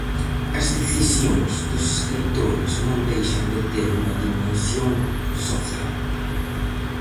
As decisións dos escritores non deixan de ter unha dimensión social.